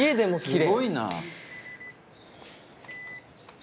「すごいな」